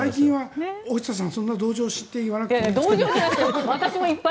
大下さん、そんな同情して言わなくていい。